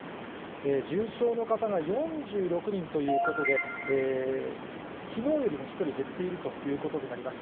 重症の方が４６人ということで、きのうよりも１人減っているということになります。